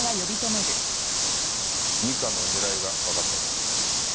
二課の狙いがわかったぞ。